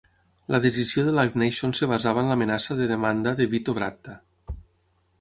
La decisió de Live Nation es basava en l'amenaça de demanda de Vito Bratta.